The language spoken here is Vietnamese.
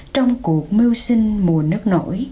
trong cuộc mưu sinh mùa nước